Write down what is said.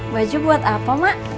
baju buat apa mak